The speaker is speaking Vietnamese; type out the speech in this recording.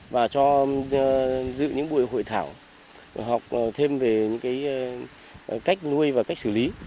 và cho dự những buổi hội thảo học thêm về những cách nuôi và cách xử lý